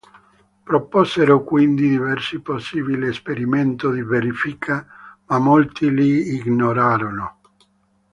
Proposero quindi diversi possibili esperimenti di verifica, ma molti li ignorarono.